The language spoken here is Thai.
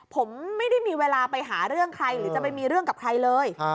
ผมไม่ได้มีเวลาไปหาเรื่องใครหรือจะไปมีเรื่องกับใครเลย